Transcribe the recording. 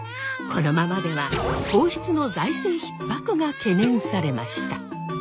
このままでは皇室の財政逼迫が懸念されました。